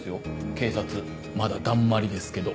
警察まだだんまりですけど。